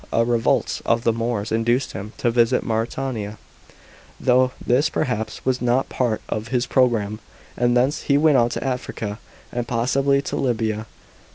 A revolt of the Moors induced him to visit Mauretania, though this perhaps was not part of his pro gramme, and thence he went on to Africa, and possibly to Libya.